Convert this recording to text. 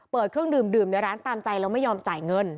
เครื่องดื่มในร้านตามใจแล้วไม่ยอมจ่ายเงิน